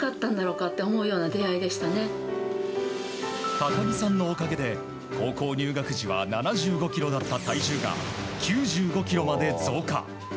高木さんのおかげで高校入学時は７５ｋｇだった体重が９５ｋｇまで増加。